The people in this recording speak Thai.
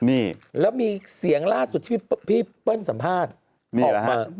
โอ้แล้วมีเสียงล่าสุดที่พี่เปิ้ลสัมภาษณ์ออกมานี่แหละครับ